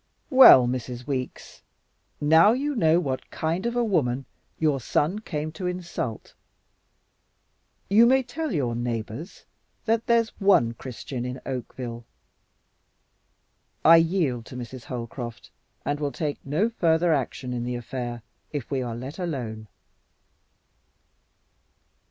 "Well, Mrs. Weeks, now you know what kind of a woman your son came to insult. You may tell your neighbors that there's one Christian in Oakville. I yield to Mrs. Holcroft, and will take no further action in the affair if we are let alone."